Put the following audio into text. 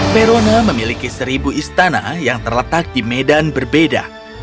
verona memiliki seribu istana yang terletak di medan berbeda